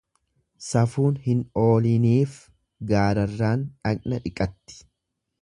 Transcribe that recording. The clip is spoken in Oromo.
Safuun hin ooliniif gaararraan dhaqna dhiqatti.